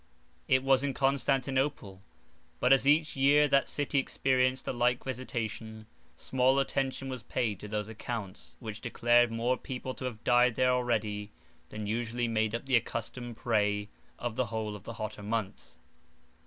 It was in Constantinople; but as each year that city experienced a like visitation, small attention was paid to those accounts which declared more people to have died there already, than usually made up the accustomed prey of the whole of the hotter months.